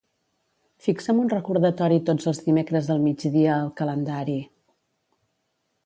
Fixa'm un recordatori tots els dimecres al migdia al calendari.